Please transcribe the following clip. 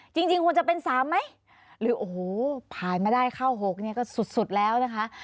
จริงควรจะเป็น๓ไหมหรือโอ้โหผ่านมาได้เข้า๖เนี่ยก็สุดแล้วนะคะ